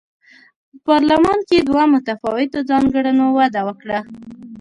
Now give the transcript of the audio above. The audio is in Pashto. په پارلمان کې دوه متفاوتو ځانګړنو وده وکړه.